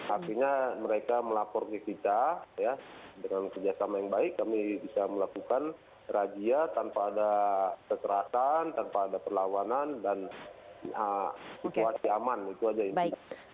artinya mereka melapor ke kita ya dengan kerjasama yang baik kami bisa melakukan rajia tanpa ada kekerasan tanpa ada perlawanan dan situasi aman itu saja intinya